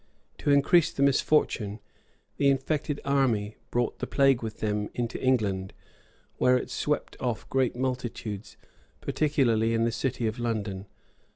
To increase the misfortune, the infected army brought the plague with them into England, where it swept off great multitudes, particularly in the city of London.